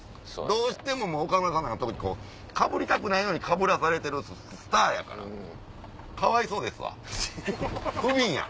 どうしても岡村さんなんか特にかぶりたくないのにかぶらされてるスターやからかわいそうですわふびんや。